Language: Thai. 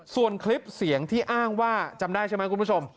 ส่วนคลิปเสียงที่อ้างว่าจำได้ใช่ไหมคุณผู้ชม